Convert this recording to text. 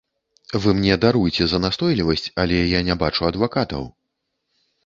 Вы мне даруйце за настойлівасць, але я не бачу адвакатаў.